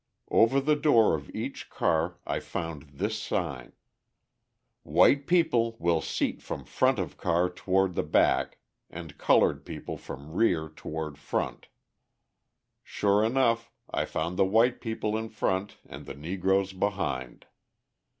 Over the door of each car, I found this sign: WHITE PEOPLE WILL SEAT FROM FRONT OF CAR TOWARD THE BACK AND COLORED PEOPLE FROM REAR TOWARD FRONT Sure enough, I found the white people in front and the Negroes behind.